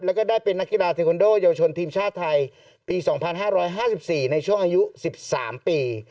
แล้วก็ได้เป็นนักกีฬาเทคอนโดเยาวชนทีมชาติไทยปี๒๕๕๔ในช่วงอายุ๑๓ปี